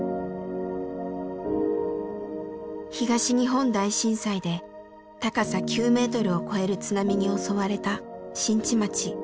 東日本大震災で高さ９メートルを超える津波に襲われた新地町。